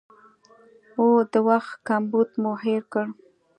او د وخت کمبود مو هېر کړ